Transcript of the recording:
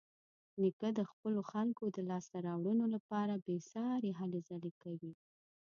نیکه د خپلو خلکو د لاسته راوړنو لپاره بېسارې هلې ځلې کوي.